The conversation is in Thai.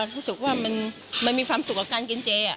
รู้สึกว่ามันมีความสุขกับการกินเจ